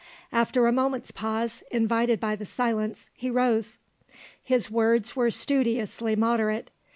After a moment's pause, invited by the silence, he rose. His words were studiously moderate.